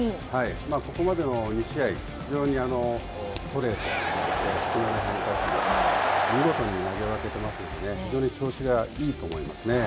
ここまでの２試合、非常にストレート、低めの変化球、見事に投げ分けていますのでね、非常に調子がいいと思いますね。